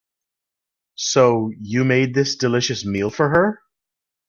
So, you made this delicious meal for her?